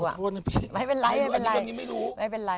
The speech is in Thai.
ขอโทษนะพี่ไม่เป็นไร